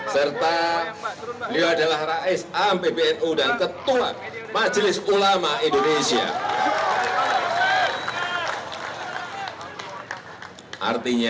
serta beliau adalah rais am pbnu dan ketua majelis ulama indonesia